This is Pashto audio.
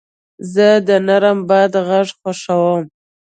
زه د نرم باد غږ خوښوم.